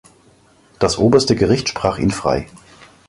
Das Oberste Gericht sprach ihn frei.